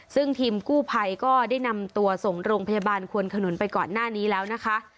ซึ่งทีมกู้ภัยก็ได้นำตัวส่งโรงพยาบาลควนขนุนไปก่อนหน้านี้แล้วนะคะ